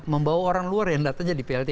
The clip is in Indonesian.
membawa orang luar yang datang jadi plt